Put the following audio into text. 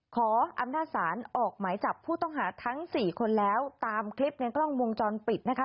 ขออำนาจศาลออกหมายจับผู้ต้องหาทั้งสี่คนแล้วตามคลิปในกล้องวงจรปิดนะคะ